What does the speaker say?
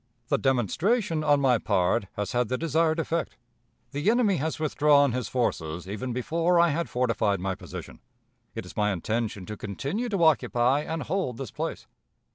The demonstration on my part has had the desired effect. The enemy has withdrawn his forces even before I had fortified my position. It is my intention to continue to occupy and hold this place."